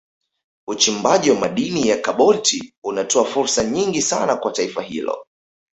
Uchimbaji wa madini ya Kobalti unatoa fursa nyingi sana kwa taifa hilo